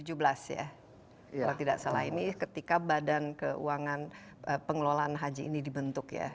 kalau tidak salah ini ketika badan pengelolaan haji ini dibentuk ya